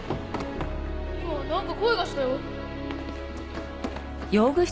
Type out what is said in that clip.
今なんか声がしたよ。